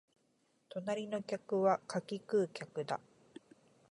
隣の客は柿食う客だ